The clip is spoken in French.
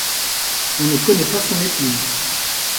On ne connaît pas son épouse.